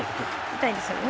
痛いですよね。